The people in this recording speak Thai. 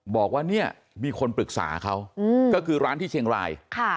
บอกว่าเนี่ยมีคนปรึกษาเขาก็คือร้านที่เชียงราย